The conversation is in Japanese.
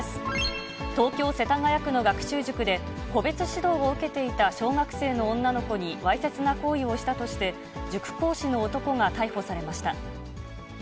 東京・世田谷区の学習塾で、個別指導を受けていた小学生の女の子にわいせつな行為をしたとして、塾講師の男が逮捕されました。